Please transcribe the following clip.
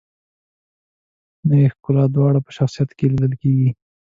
نوې ښکلا دواړه په شخصیت کې لیدل کیږي.